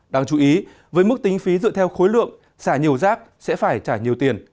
đáng chú ý với mức tính phí dựa theo khối lượng xả nhiều rác sẽ phải trả nhiều tiền